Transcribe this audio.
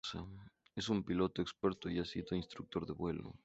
Es un piloto experto y ha sido instructor de vuelo.